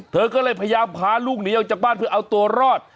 เธอก็เลยพยายามพาลูกหนีออกจากบ้านเพื่อเอาตัวรอด